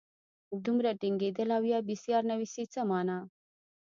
دومره ټینګېدل او یا بېسیار نویسي څه مانا.